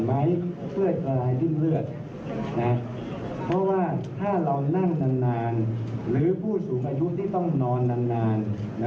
หรือผู้สูงอายุที่ต้องนอนนาน